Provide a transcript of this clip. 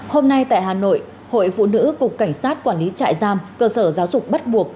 hôm nay tại hà nội hội phụ nữ cục cảnh sát quản lý trại giam cơ sở giáo dục bắt buộc